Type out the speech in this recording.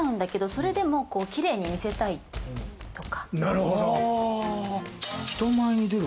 それで、もうキレイに見せたいとか。